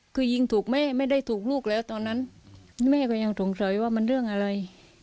คือยิงถูกแม่ไม่ได้ถูกลูกแล้วตอนนั้นแม่ก็ยังสงสัยว่ามันเรื่องอะไร